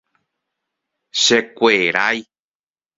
Chekuerái.